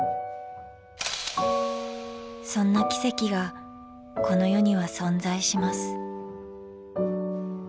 そんな奇跡がこの世には存在します。